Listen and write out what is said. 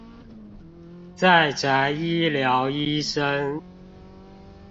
在宅醫療醫生